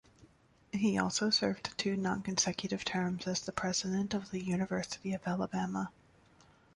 He also served two nonconsecutive terms as the president of the University of Alabama.